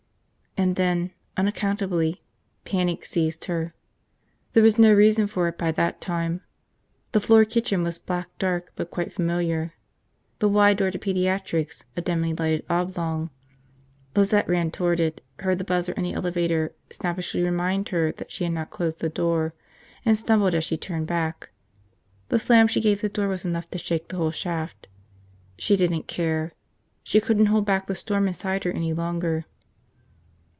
And then, unaccountably, panic seized her. There was no reason for it by that time. The floor kitchen was black dark but quite familiar, the wide door to pediatrics a dimly lighted oblong. Lizette ran toward it, heard the buzzer in the elevator snappishly remind her that she had not closed the door, and stumbled as she turned back. The slam she gave the door was enough to shake the whole shaft. She didn't care. She couldn't hold back the storm inside her any longer.